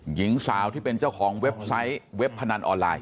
หญิงสาวที่เป็นเจ้าของเว็บไซต์เว็บพนันออนไลน